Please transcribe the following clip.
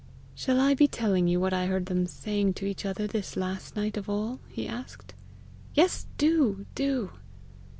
"Shall I be telling you what I heard them saying to each other this last night of all?" he asked. "Yes, do, do!"